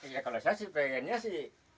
ya kalau saya sih pengennya sih